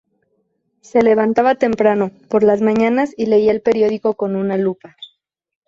Se levantaba temprano por las mañanas y leía el periódico con una lupa.